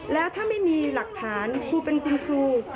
แล้วถ้าไม่มีหลักฐานครูเป็นคุณครู